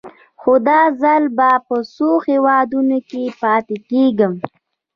خو دا ځل به په څو هېوادونو کې پاتې کېږم.